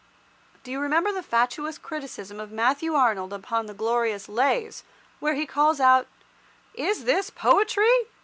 Do you remember the fatuous criticism of Matthew Arnold upon the glorious "Lays," where he calls out "is this poetry?"